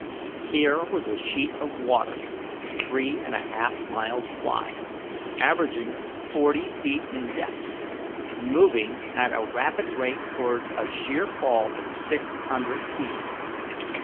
Here was a sheet of water three and a half miles wide, averaging forty feet in depth, moving at a rapid rate towards a sheer fall of six hundred feet.